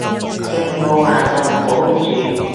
計我話唔好錄住